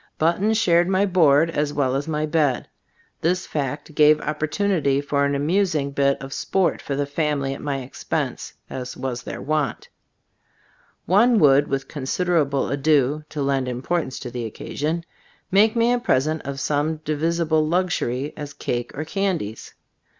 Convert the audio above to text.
Button shared my board as well as my bed. Gbe StotB of As CbU&boofc 35 This fact gave opportunity for an amusing bit of sport for the family at my expense, as was their wont. One would, with considerable ado (to lend importance to the occasion), make me a present of some divisible luxury, as cake or candies.